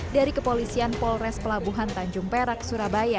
dari kepolisian polres pelabuhan tanjung perak surabaya